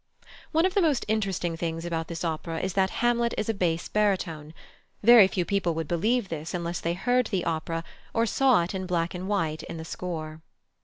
One of the most interesting things about this opera is that Hamlet is a bass baritone; very few people would believe this unless they heard the opera, or saw it in black and white in the score.